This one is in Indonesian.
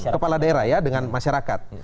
kepala daerah ya dengan masyarakat